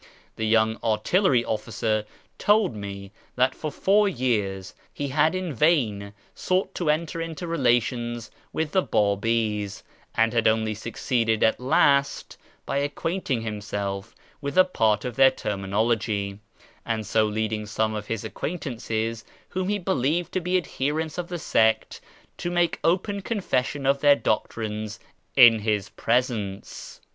The young artillery officer told me that for four years he had in vain sought to enter into relations with the Babis, and had only succeeded at last by acquainting himself with a part of their terminology, and so leading some of his acquaintances whom he believed to be adherents of the sect to make open confession of their doctrines in his presence.